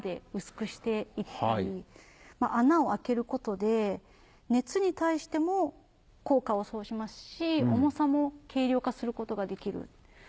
穴を開けることで熱に対しても効果を奏しますし重さも軽量化することができる。